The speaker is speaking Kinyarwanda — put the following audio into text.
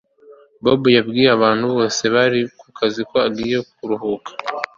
Bobo yabwiye abantu bose bari kukazi ko agiye kuruhuka